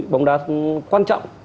bóng đá quan trọng